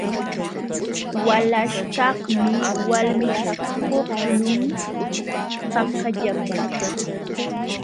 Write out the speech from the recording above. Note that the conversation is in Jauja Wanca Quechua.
Walaśhkaqmi walmichakuqlun pakallapa.